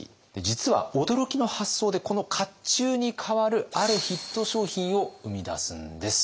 実は驚きの発想でこの甲冑に代わるあるヒット商品を生み出すんです。